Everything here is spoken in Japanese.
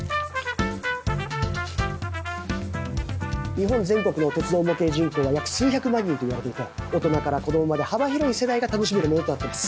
日本全国の鉄道模型人口は約数百万人といわれていて大人から子供まで幅広い世代が楽しめるものとなってます。